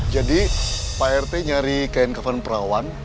jadi pak rt nyari kain kafan perawan